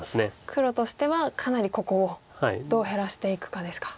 黒としてはかなりここをどう減らしていくかですか。